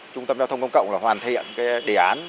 trung tâm giao thông công cộng hoàn thiện đề án